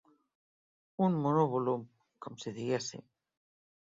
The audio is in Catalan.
Un monovolum, com si diguéssim.